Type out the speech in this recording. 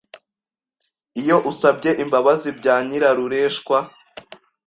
Iyo usabye imbabazi bya nyirarureshwa